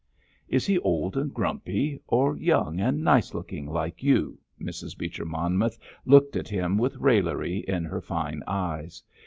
"Is he old and grumpy, or young and nice looking like you?" Mrs. Beecher Monmouth looked at him with raillery in her fine eyes.